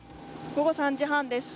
午後３時半です。